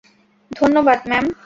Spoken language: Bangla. ধন্যবাদ, ম্যাম।